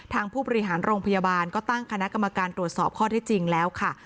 ผู้บริหารโรงพยาบาลก็ตั้งคณะกรรมการตรวจสอบข้อที่จริงแล้วค่ะ